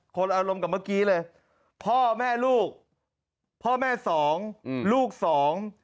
อารมณ์กับเมื่อกี้เลยพ่อแม่ลูกพ่อแม่สองอืมลูกสอง